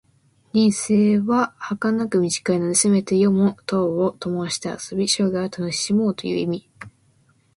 人生ははかなく短いので、せめて夜も灯をともして遊び、生涯を楽しもうという意味。